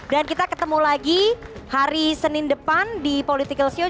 dan kita ketemu lagi hari senin depan di political show